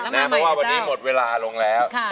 เพราะว่าวันนี้หมดเวลาลงแล้ว